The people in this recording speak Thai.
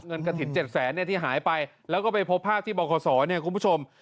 กระถิ่น๗แสนที่หายไปแล้วก็ไปพบภาพที่บขเนี่ยคุณผู้ชม